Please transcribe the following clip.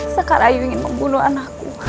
sekar ayu ingin membunuh anakku